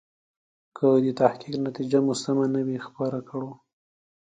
که د تحقیق نتیجه مو سمه نه وي خپره کړو.